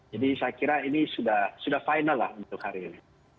jadi saya kira ini sudah final lah untuk hari ini